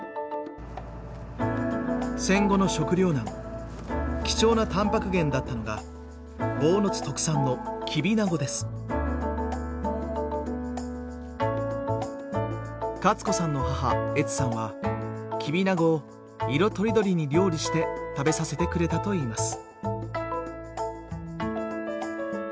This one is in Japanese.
戦後の食糧難貴重なたんぱく源だったのが坊津特産のカツ子さんの母エツさんはキビナゴを色とりどりに料理して食べさせてくれたといいます。